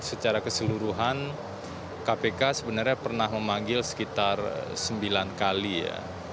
secara keseluruhan kpk sebenarnya pernah memanggil sekitar sembilan kali ya